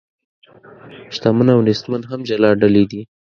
شتمن او نیستمن هم جلا ډلې دي.